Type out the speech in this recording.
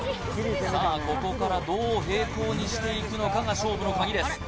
さあここからどう平行にしていくのかが勝負の鍵です